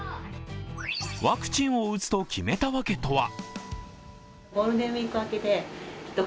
ワクチンを打つと決めた訳とは？